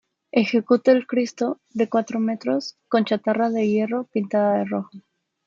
Ejecuta el Cristo, de cuatro metros, con chatarra de hierro pintada de rojo.